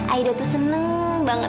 aida tuh seneng banget